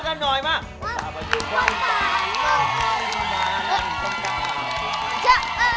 เดี๋ยวเราบันดาลกันหน่อยมา